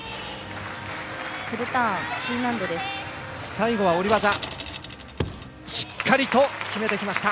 最後は下り技しっかりと決めてきました。